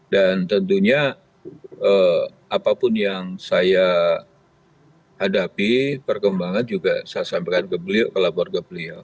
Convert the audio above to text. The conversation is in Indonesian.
dan tentunya apapun yang saya hadapi perkembangan juga saya sampaikan ke beliau kelaburan ke beliau